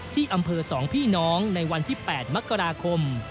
ที่อำเภอ๒พี่น้องในวันที่๘มกราคม